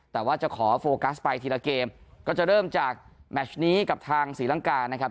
แต่ว่าจะขอโฟกัสไปทีละเกมก็จะเริ่มจากแมชนี้กับทางศรีลังกานะครับ